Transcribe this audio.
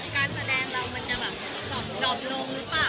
การแสดงเรามันจะแบบจบลงหรือเปล่า